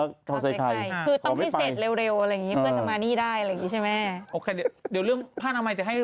เข้าใส่ไข่ขอไว้ไปเขาไม่ไป